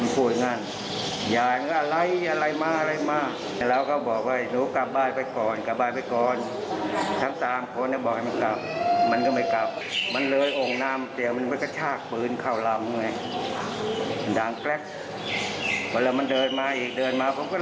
พี่มุมก็ลุกออกประตูบ้านมาเลย